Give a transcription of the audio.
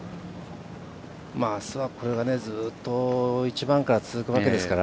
あすは、これがずっと１番から続くわけですから